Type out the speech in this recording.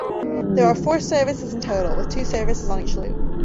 There are four services in total, with two services on each loop.